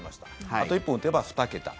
あと１本打てば２桁。